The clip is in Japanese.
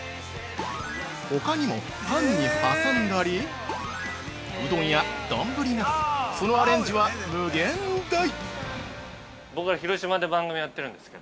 ほかにもパンに挟んだりうどんや、丼など、そのアレンジは無限大。